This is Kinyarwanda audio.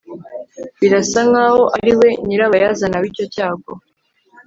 birasa nkaho ari we nyirabayazana w'icyo cyago